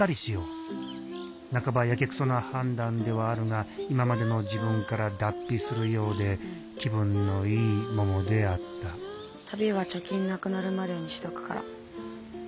半ばやけくそな判断ではあるが今までの自分から脱皮するようで気分のいいももであった旅は貯金なくなるまでにしとくから。